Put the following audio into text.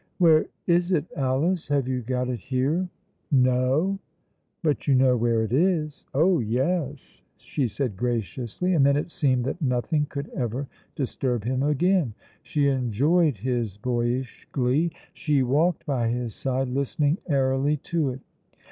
"Where is it, Alice? Have you got it here?" "No." "But you know where it is?" "Oh, yes," she said graciously, and then it seemed that nothing could ever disturb him again. She enjoyed his boyish glee; she walked by his side listening airily to it.